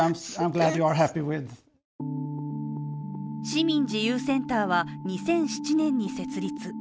市民自由センターは２００７年に設立。